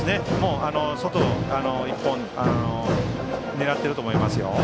外を狙っていると思います。